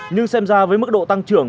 nhưng xem ra với mức độ tăng trưởng